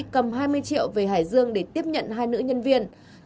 cầm hai mươi triệu về hải dương để tiếp nhận hai nữ nhân viên